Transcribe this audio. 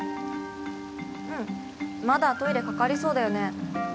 うんまだトイレかかりそうだよね